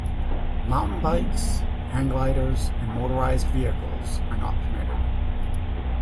Mountain bikes, hang gliders, and motorized vehicles are not permitted.